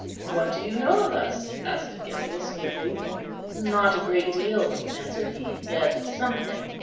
"What do you know of us?" asked Agellius quickly. "Not a great deal," answered he, "yet something.